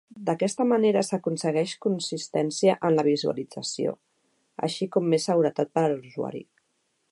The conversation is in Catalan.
D'aquesta manera s'aconsegueix consistència en la visualització, així com més seguretat per a l'usuari.